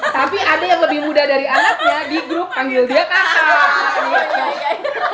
tapi ada yang lebih muda dari anaknya di grup panggil dia kakak